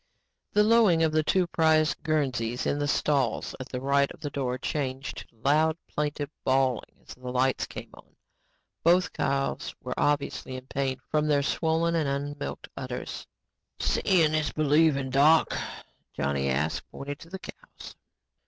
The lowing of the two prize Guernseys in the stalls at the right of the door changed to loud, plaintive bawling as the lights came on. Both cows were obviously in pain from their swollen and unmilked udders. "Seeing is believing. Doc?" Johnny asked, pointing to the cows.